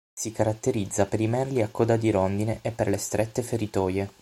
Si caratterizza per i merli a coda di rondine e per le strette feritoie.